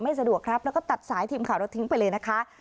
สะดวกครับแล้วก็ตัดสายทีมข่าวเราทิ้งไปเลยนะคะ